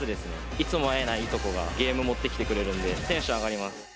いつも会えないいとこがゲーム持ってきてくれるのでテンション上がります。